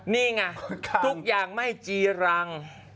นี่ไงทุกอย่างไม่จีรัง